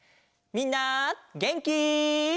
みんなげんき？